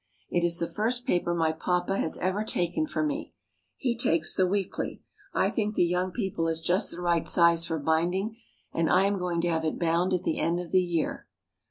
It is the first paper my papa has ever taken for me. He takes the Weekly. I think the Young People is just the right size for binding, and I am going to have it bound at the end of the year.